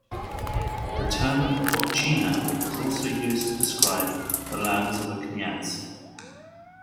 The term "votchina" was also used to describe the lands of a knyaz.